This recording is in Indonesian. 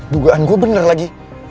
dugaan gue bener lagi